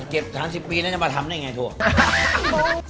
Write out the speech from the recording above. เก็บ๓๐ปีแล้วจะมาทำได้ไงถูก